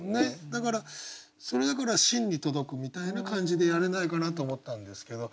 だからそれだからしんに届くみたいな感じでやれないかなと思ったんですけど